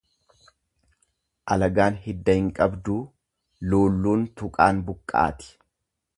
Alagaan hidda hin qabdu luulluun tuqaan buqqaati.